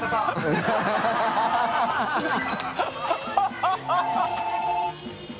ハハハ